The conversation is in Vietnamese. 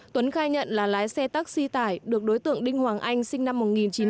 tuấn khai nhận là lái xe taxi tải được đối tượng đinh hoàng anh sinh năm một nghìn chín trăm tám mươi